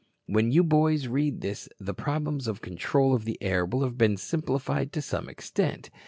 When you boys read this the problems of control of the air will have been simplified to some extent.